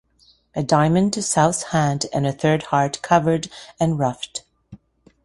A diamond to South's hand, and a third heart covered and ruffed.